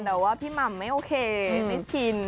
แต่ว่าพี่หม่ำไม่โอเคไม่ชิน